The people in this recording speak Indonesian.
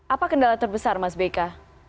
apa kendala terbesar mas beka